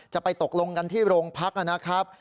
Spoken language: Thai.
จะไปตกลงกันที่โรงพักนะครับ